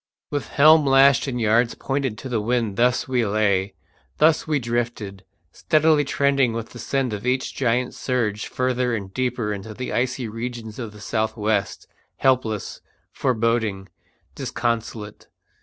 With helm lashed and yards pointed to the wind thus we lay, thus we drifted, steadily trending with the send of each giant surge further and deeper into the icy regions of the south west, helpless, foreboding, disconsolate.